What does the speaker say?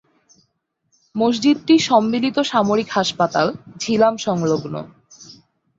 মসজিদটি সম্মিলিত সামরিক হাসপাতাল, ঝিলাম সংলগ্ন।